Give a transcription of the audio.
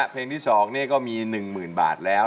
เพลงที่๒นี่ก็มี๑๐๐๐บาทแล้ว